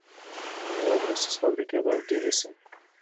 د میوو پروسس فابریکې باید ډیرې شي.